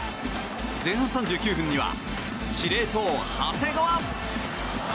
前半３９分には司令塔・長谷川。